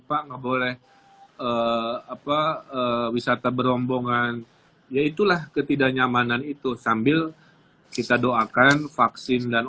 pak nggak boleh apa wisata berombongan yaitulah ketidaknyamanan itu sambil kita doakan vaksin dan